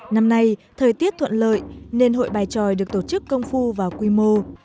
năm nay thời tiết thuận lợi nên hội bài tròi được tổ chức công phu vào quy mô